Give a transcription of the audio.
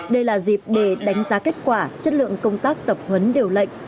đây là dịp để đánh giá kết quả chất lượng công tác tập huấn điều lệnh